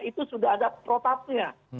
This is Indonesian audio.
itu sudah ada protasinya